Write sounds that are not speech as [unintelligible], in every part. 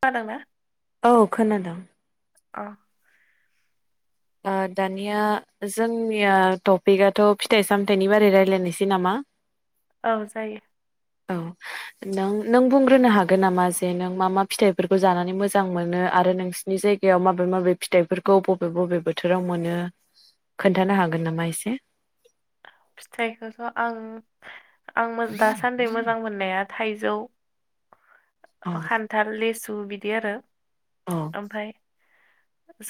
खोना दोंना? औ खोनादों अ ओ दानिया जोंनिया टपिकआथ' फिथाइ सामथायाइनि बारै रायज्लायनोसै नामा? औ जायो औ नों नों बुंग्रोनो हागोन नामा जे नों मा मा फिथाइफोरखौ जानानै मोजां मोनो आरो नोंसिनि जायगायाव माबे माबे फिथाइफोरखौ बबे बबे बोथोराव मोनो खोन्थानो हागोन नामा एसे। फिथाइखौथ' आं आं दासान्दि मोजां मोननाया थाइजौ औ खान्थाल लिसु ओम बिदि आरो औ ओमफाय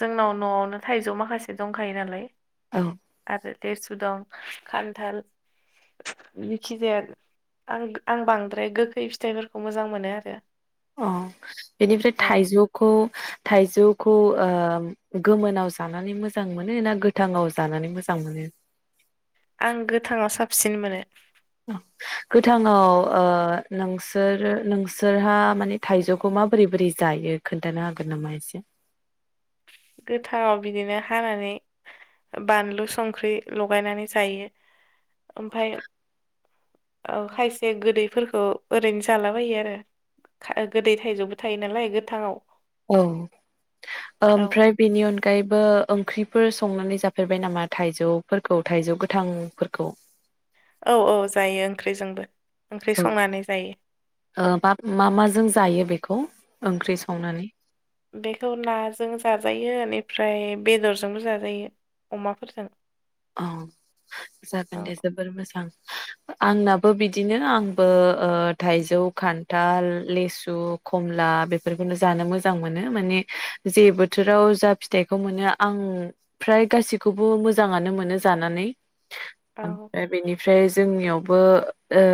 जोंनाव न'आवनो थाइजौ माखासे दंखायो नालाय। औ लेसु दं खान्थाल जिखिजाया आं आं बांद्राय गोखै फिथाइफोरखौ मोजां मोनो आरो अ बेनिफ्राय औ थाइजौखौ थाइजौ खौ ओ गोमोनाव जानानै मोजां मोनो ना गोथाङाव जानानै मोजां मोनो? आं गोथाङाव साबसिन मोनो। गोथाङाव ओ नोंसोर नोंसोरहा माने थाइजौखौ माबोरै बोरै जायो खोन्थानो हागोन नामा एसे? गोथाङाव बिदिनो हानानै बानलु संख्रि लगायनानै जायो ओमफाय ओ खायसे गोदैफोरखौ ओरैनो जालाबायो आरो गोदै थाइजौबो थायो नालाय गोथाङाव। औ औ ओमफ्राय बेनि अनगायैबो ओंख्रिफोर संनानै जाफेरबाय नामा थाइजौफोरखौ थाइजौ गोथांफोरखौ? औ औ जायो ओंख्रिजोंबो। ओंख्रि औ संनानै जायो ओ मा माजों जायो बेखौ? ओंख्रि संनानै। बेखौ नाजों जाजायो बेनिफ्राय बेदरजोंबो जाजायो अमाफोरजों। औ औ जागोन दे जोबोर मोजां। आंनाबो बिदिनो आंबो ओ थाइजौ खान्थाल लेसु खमला बेफोरखौनो जानो मोजां मोनो माने जे बोथोराव जा फिथाइखौ मोनो आं फ्राय गासिखौबो मोजाङानो मोनो। नो जानानै औ ओ फाय बिनि फ्राय जोंनियावबो ओ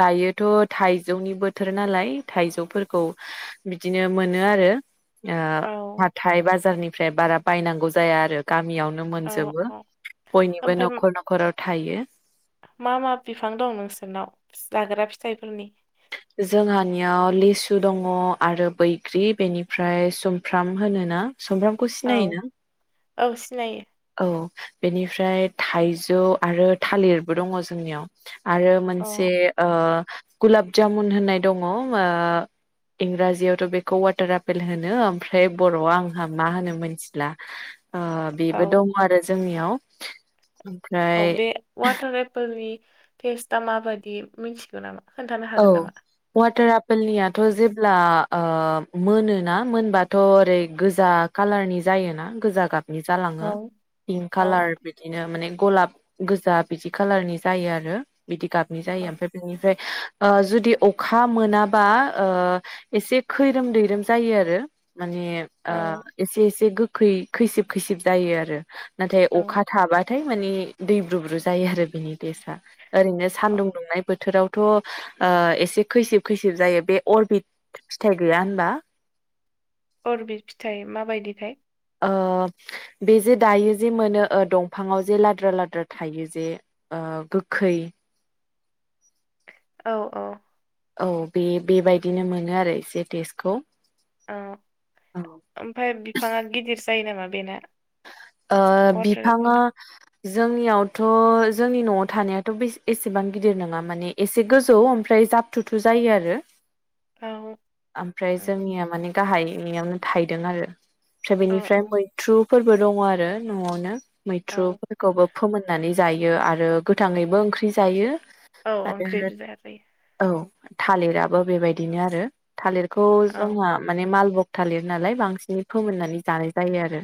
दायोथ' थाइजौनि बोथोर नालाय थाइजौफोरखौ बिदिनो मोनो आरो ओ औ हाथाइ बाजारनि फ्राय बारा बायनांगौ जाया आरोग गामियावनो औ मोनजोबो। औ बयनिबो ओमफ्राय न'खर न'खराव थायो। मा मा बिफां दं नोंसोरनाव फि जाग्रा फिथाइफोरनि? जोंहानियाव लिसु दङ आरो बैग्रि बेनिफ्राय सुमफ्राम होनोना। सुमब्रामखौ औ सिनायोना? औ सिनायो। औ बेनिफ्राय थाइजौ आरो थालिरबो दङ जोंनियाव। आरो अ मोनसे ओ गुलाब जामुन होननाय दङ ओ इंराजियावथ' बेखौ अवाटार आपेल होनो ओमफ्राय बर'आव आंहा मा होनो मिथिला ओ औ बे दङ आरो जोंनियाव। [inaudible] औ बे अवाटार एपोलनि टेस्टा माबायदि मिथिगौ नामा? खोन्थानो औ हागोन नामा अवाटार आप पोलनियाथ' जेब्ला ओ मोनोना मोनबाथ' ओरै गोजा कालारनि जायोना गोजा गाब। औ जालाङो पिंक औ कालार बिदिनो माने गलाब गोजा बिदि खाालारनि जायो आरो। बिदि गाबनि जायो औ ओमफ्राय बेनिफ्राय ओ जुदि अखा मोनाबा ओ एसे खैरोम दैैरोम जायो आरो। माने ओ औ एसे एसे गोख खै-खैसिब खैसिब जायो आरो। नाथाय औ अखा थाबा थाय मानि दै ब्रुुब्रु जायो आरो बेनि टेसआ। ओरैनो औ सानदुं दुंनाय बोथोराव थ ओ एसे खैसिब खैसिब जायो बे अरबिद फिथाइ गैया होनबा? अरबि फिथाइ माबायदिथाय? ओ बे जे दायो जे मोनो ओ दंफाङाव जे लाद्रा लाद्रा थायो जे ओ गोखै। औ औ औ बे बेबायदिनो मोनो आरो एसे टेस्टखौ ओ ओ ओमफ्राय बिफाङा गिदिरस जायो नामा बेना ओ वाटार बिफाङा। एपोला जोंनियावथ' जोंनि न'आव थानायाथ' बेस एसेबां गिदिर नङा माने एसे गोजौ ओमफ्राय जाब थुथु जायो आरो। औ ओमफ्राय औ जोंनिया माने। गाहायनियावनो थाइदों आरो। फ्राय औ बेनिफ्राय औ मैथ्रु। फोरबो दङ आरो आरो न'आवनो औ मैथ्रुफोरखौबो फोमोननानै। जायो आरो गोथाङैबो ओंख्रि जायो। औ आरो ओंख्रि बिदि जाया जायो। औ थालिराबो बेबायदिनो आरो। थालिरखौ औ जोंहा माने मालभग। थालिर नालाय बांसिन फोमोननानै जानाय जायो आरो।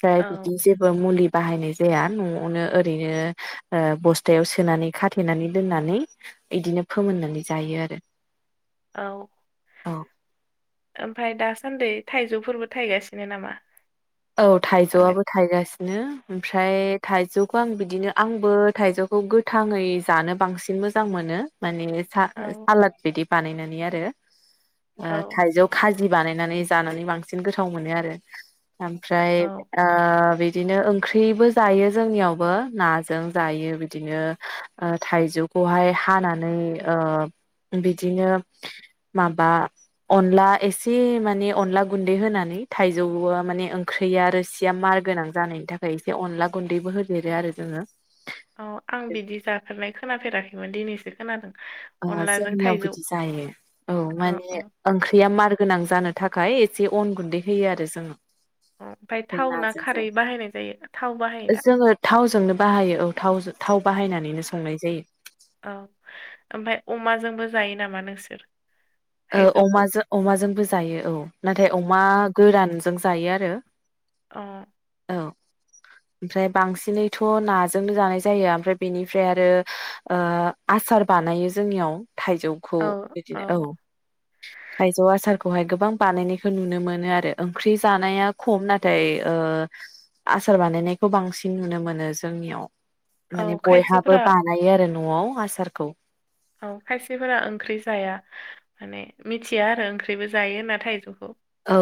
फ्राय औ बिदि जेबो मुलि। बाहायनाय जाया न'आवनो ओरैनो ओ बस्थायाव सोनानै खाथेनानै दोननानै इदिनो फोमोननानै जायो आरो। औ। औ। ओमफ्राय दासान्दि थाइजौफोरबो थायगासिनो नामा। औ माने थाइजौआबो थाइगासि दिनो ओमफ्राय थाइजौखौ आं बिदिनो आंबो थाइजौखौ गोथाङै जानो बांसिन मोजां मोनो माने। सा औ सालाद बेदि बानायनानै आरो। ओ औ थाइजौ खाजि। बानायनानै जानानै बांसिन गोथाव मोनो आरो। ओमफ्राय औ आ बिद बिदिनो ओंख्रिबो जायो जोंनियावबो नाजों जायो बिदिनो ओ थाइजौखौहाय हानानै ओ बिदिनो माबा अनला एसे माने अनला गुन्दै होनानै थायजौआ माने। ओंख्रिया रोसिया मार गोनां जानायनि थाखाय एसे अनला गुन्दैबो होदेरो आरो जोङो। अ आं बिदि जाफेरनाय खोनाफेराखैमोन दिनैसो खोनादों। अ अनलाजों जोंनियाव थाइजौ बिदि जायो औ माने औ औ ओंख्रिया मार गोनां जानो थाख खाय एसे अन गुन्दै होयो आरो जोङो। ओमफ्राय बे थाव ना नाजों खारै बाहायनाय थाव जायो बाहायोना जोङो थावजोंनो बाहायो औ थावजों थाव बाहायनानैनो संनाय जायो। औ ओमफ्राय अमाजोंबो जायो नामा नोंसोर। ओ थाइजौखौ अमाजों अमाजोंबो जायो औ नाथाय अमा गोरान। जों जायो आरो। अ। औ ओमफ्राय बांसिनैथ' नाजोंनो जानाय जायो ओमफ्राय बेनिफ्राय आरो ओ आसार बानायो जोंनियाव। थाइजौखौ औ बिदिनो औ। थाइजौ आसारखौहाय गोबां बानायनायखौ नुनो मोनो आरो ओंख्रि जानाया खम नाथाय ओ आसार बानायनायखौ बांसिन नुनो मोनो जोंनियाव। औ माने बयहाबो खायसेफोरा बानायो आरो न'आव। आसारखौ। औ खायसेफोरा ओंख्रि जाया माने मिथिया आरो ओंख्रिबो जायो होन्ना थाइजौखौ। औ।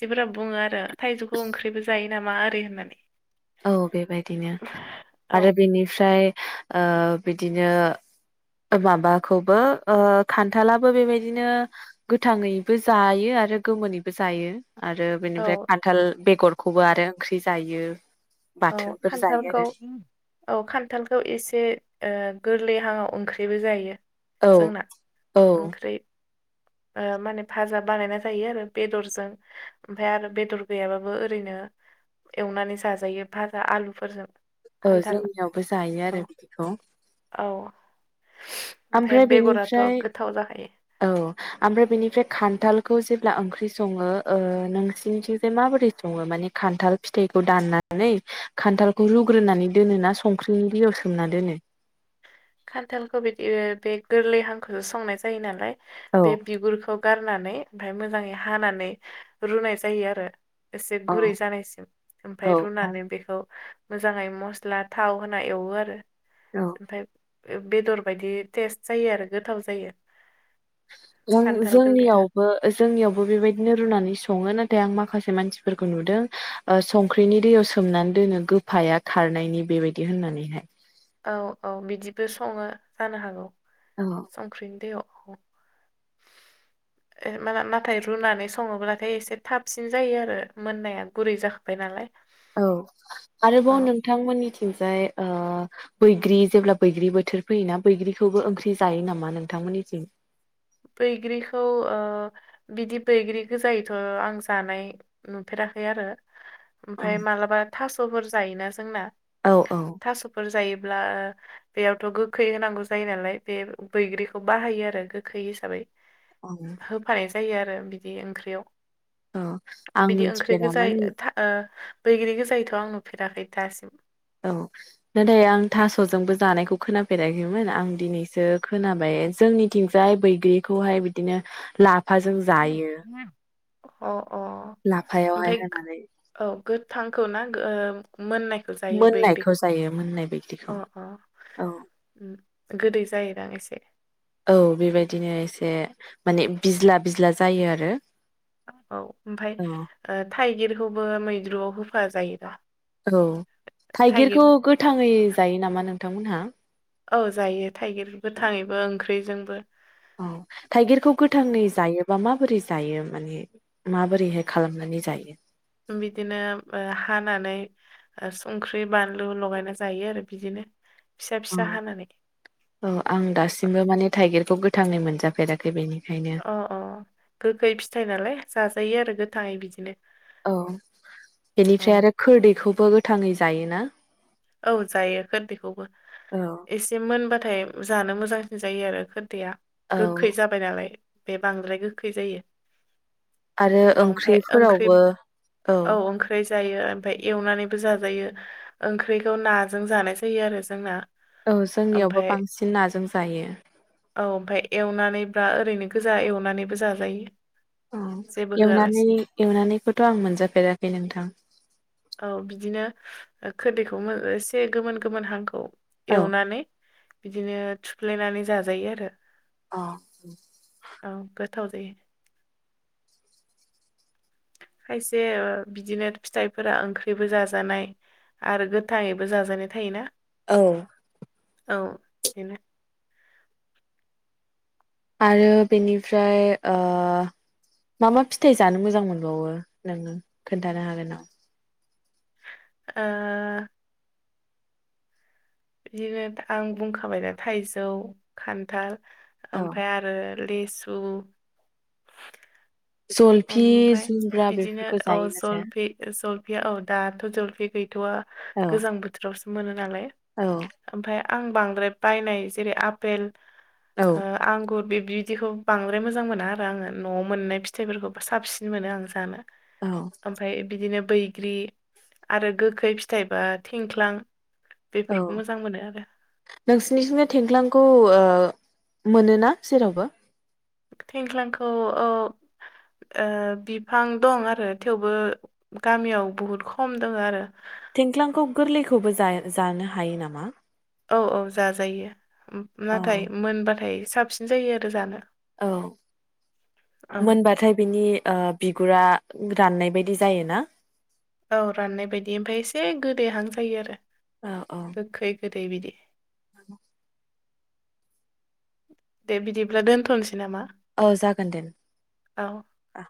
सिफोरा बुङो आरो थाइजौखौ ओंख्रिबो जायो नामा ओरै होननानै। औ बेबायदिनो औ आरो बेनिफ्राय। ओ बिदिनो माबाखौबो ओ खान्थालाबो बेबायदिनो गोथाङैबो जायो आरो गोमोनैबो जायो। आरो औ बेनिफ्राय खान्थाल बेगर। खौबो आरो ओंख्रि जायो। औ बाथोनफोर जायो खान्थालखौ आरो औ खान्थालखौ एसे ओ। गोरलैहाङाव ओंख्रिबो जायो। औ जोंना औ ओंख्रि। ओ माने भाजा बानायना जायो आरो बेदरजों ओमफ्राय आरो बेदर गैयाबाबो ओरैनो एवनानै जाजायो भाजा आलुफोरजों। औ खान्थाल जोंनियावबो जायो औ आरो बिदिखौ। औ। ओमफाय ओमफ्राय बेगराथ' बेनिफ्राय गोथाव जाखायो। औ ओमफ्राय बेनिफ्राय खान्थालखौ जेब्ला ओंख्रि सङो ओ नोंसिनिथिंजाय माबोरै सङो माने खान्थाल फिथाइखौ दाननानै खान्थालखौ रुग्रोनानै दोनो ना संख्रिनि दैयाव सोमना दोनो। खान्थालखौ बिदि बे गोरलै हांखौसो संनाय जायो नालाय। औ बे बिगुरखौ। गारनानै ओमफ्राय मोजाङै हानानै रुनाय जायो आरो। एसे औ गुरै जानायसिम औ ओमफ्राय औ रुनानै बेखौ। मोजाङै मस्ला थाव होना एवो आरो। औ ओमफाय। बेदर बायदि टेस्ट जायो आरो गोथाव जायो। खान्थाल गोरलैया जों-जोंनियावबो जोंनियावबो बेबायदिनो रुनानै स सङो नाथाय आं माखासे मानसिफोरखौ नुदों ओ संख्रिनि दैयाव सोमनानै दोनो गोफाया खारनायनि बेबायदि होननानैहाय। औ औ बिदिबो सङो जानो हागौ। औ संख्रिनि दैयाव। [unintelligible] नाथाय रुनानै सङोब्लाथाय एसे थाबसिन जायो आरो मोननाया गुरै जाखाबाय नालाय। औ आरोबाव औ नोंथांमोननिथिंजाय। आ बैग्रि जेब्ला बैग्रि बोथोर फैयोना बैग्रिखौबो ओंख्रि जायो नामा नोंथांमोनि थिं बैग्रिखौ आ बिदि बैग्रि गोजायैथ' आं जानाय नुफेराखै आरो ओमफ्राय मालाबा थास'फोर जायोना जोंना औ औ थास'फोर जायो [unintelligible] बेयावथ' गोखै होनांगौ जायो नालाय बे बैग्रिखौ बाहायो आरो गो गोखै हिसाबै औ जायो आरो बिदि ओंख्रियाव आं बिदि ओंख्रि गोजाय मिथिफेरामोन ओ बैग्रि गोजायैथ' आं नुफेराखै दासिम औ नाथाय आं थास'जोंबो जानायखौ खोनाफेराखैमोन आं दिनैसो खोनाबाय जोंनिथिंजाय बैग्रिखौहाय बिदिनो ला लाफाजों अ जायो अ ओमफ्राय लाफायावहाय होनानै थांखौ ना मोननायखौ जायो मोननायखौ बैग्रिखौ जायो मोननाय अ बैग्रिखौ अ औ गोदै जायोदां एसे औ बेबायदिनो एसे माने बिज्ला बिज्ला जायो आरो औ ओमफ्राय औ थाइगिर खौबो मैद्रुआव होफा जायो दा औ थाइगिरखौ थाइगिर गोथाङै जायो नामा नों थांमोनहा औ जायो थाइगिरबो गोथाङैबो ओंख्रिजोंबो औ थाइगिरखौ गोथाङै जायोबा माबोरै जायो माने माबोरैहाय खालामनानै जायो बिदिनो हानानै संख्रि बानलु लगायना जायो आरो बिदिनो फिसा औ फिसा हानानै औ आं दासिमबो माने थाइगिरखौ गो [unintelligible] मोनजाफेराखै बेनि अ अ गोखै फिथाइ नालाय जाजायो आरो गो बिदिनो औ औ बेनिफ्राय आरो खोरदैखौबो गोथाङै जायोना औ जायो खोदै खौबो औ एसे मोनबाथाय जानो मोजांसिन जायो आरो खोरदैया गोखै जाबाय नालाय बे बांद्राय गोखै जायो आरो औ ओमफाय ओंख्रि ओंख्रिफोरावबो औ जायो ओमफाय एउनानैबो जाजायो ओंखो ओंख्रिखौ नाजों जानाय जायो आरो जोंना औ जोंनियावबो ओमफ्राय बांसिन नाजों जायो। फ्रा ओरैनो गोजा एवनानैबो जाजायो। औ जेबो एवनानै होआलासिनो एवनानैखौथ' आं मोनजाफेराखै नोंथां। औ बिदिनो खोरदैखौ मो एसे गोमोन गोमोन हांखौ औ ऐवनानै बिदिनो थुफ्लेनानै जाजायो आरो अ औ गोथाव जायो। खायसे बिदिनो फिथाइफोरा ओंख्रिबो जाजानाय आरो गोथाङैबो जाजानाय थायोना। औ औ बेनो आरो बेनिफ्राय ओ मा मा फिथाइ जानो मोजां मोनबावो नों खोन्थानो हागोन नामा? ओ बिदिनो आं बुंखाबाय दा थाइजौ, खान्थाल औ ओमफाय आरो लिसु जलफि ओमफ्राय जुमब्रा बेफोरखौ जायोना जाया? अ दाथ' जलफि गैथ'वा औ गोजां बोथोरावस मोनो नालाय औ ओमफाय आं बांद्राय बायनाय जेरै आपेल औ ओ आंगुर बिब बिदिखौ बांद्राय मोजां मोना आरो आङो न'आव मोननाय फिथाइफोरखौ साबसिन मोनो आं जानो औ ओमफ्राय बिदिनो बैग्रि आरो गोखै फिथाइबा थिख्लां औ नोंसिनिथिंनो थेंख्लांखौ ओ मोनोना जेरावबो थेंख्लांखौ अ ओ बिफां दं आरो थेवबो गामियाव बहुद खम दोंङो आरो थेंख्लांखौ गोरलैखौबो जा जानो हायो नामा? औ औ जाजायो उम औ नाथाय मोनबाथाय साबसिन जायो आरो जानो औ औ मोनबाथाय बिनि ओ बिब गुरा राननाय बायदि जायो ना? औ राननाय बायदि ओमफ्राय एसे गोदैहां जायो आरो औ औ। दैै बायदि औ। दे बिदिब्ला दोनथ'नोसै। नामा औ जागोन दे औ अ।